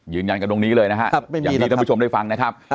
ยืนยันกันตรงนี้เลยนะครับอย่างที่ท่านผู้ชมได้ฟังนะครับ